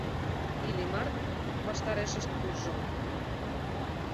Иллимар ваштарешышт куржо.